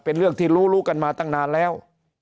เป็นเรื่องที่รู้รู้กันมาตั้งนานแล้ว